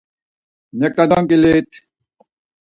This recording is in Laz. Neǩna donǩilit.